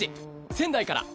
仙台から。